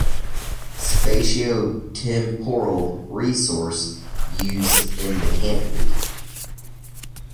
Spatio-temporal resource use in the canopy.